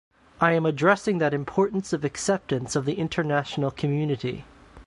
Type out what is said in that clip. I am addressing that importance of acceptance of the international community.